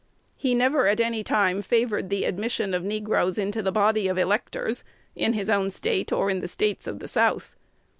He never at any time favored the admission of negroes into the body of electors, in his own State or in the States of the South.